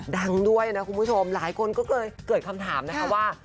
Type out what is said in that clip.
ดังด้วยนะคุณผู้ชมหลายคนก็เลยเกิดคำถามนะคะว่า